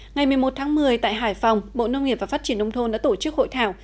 ngày một mươi một tháng một mươi tại hải phòng bộ nông nghiệp và phát triển nông thôn đã tổ chức hội thảo